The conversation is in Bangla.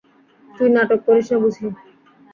তুই নাটক করিস না বুঝি?